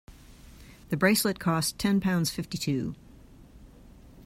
The bracelet costs ten pounds fifty-two